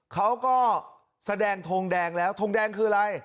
เขาก็แสดงทงแดงแล้วทงแดงคืออะไร